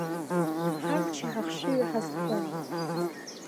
Ҳамчи ҳахшыҩи ҳазхом.